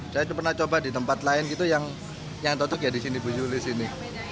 saya pernah coba di tempat lain gitu yang toduk ya di sini di sini